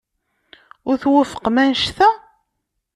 Ur twufqem anect-a?